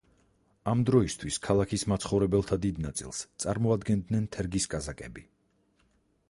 ამ დროისთვის ქალაქის მაცხოვრებელთა დიდ ნაწილს წარმოადგენდნენ თერგის კაზაკები.